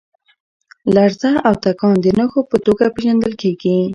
لرزه او تکان د نښو په توګه پېژندل کېږي.